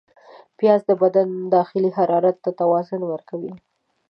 پیاز د بدن داخلي حرارت ته توازن ورکوي